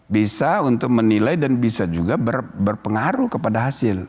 bisa untuk menilai dan bisa juga berpengaruh kepada hasil